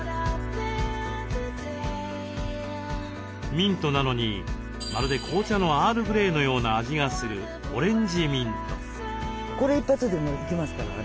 ミントなのにまるで紅茶のアールグレイのような味がするオレンジミント。